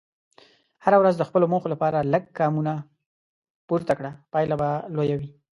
هره ورځ د خپلو موخو لپاره لږ ګامونه پورته کړه، پایله به لویه وي.